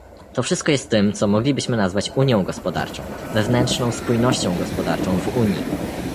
To wszystko jest tym, co moglibyśmy nazwać unią gospodarczą, wewnętrzną spójnością gospodarczą w Unii